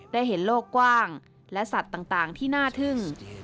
ได้เห็นโลกกว้างและสัตว์ต่างที่น่าทึ่ง